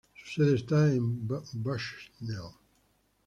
Su sede está en Bushnell.